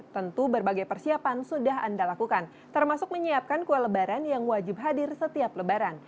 tentu berbagai persiapan sudah anda lakukan termasuk menyiapkan kue lebaran yang wajib hadir setiap lebaran